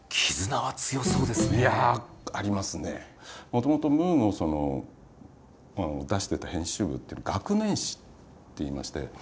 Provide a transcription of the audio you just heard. もともと「ムー」の出してた編集部っていうのは「学年誌」っていいまして。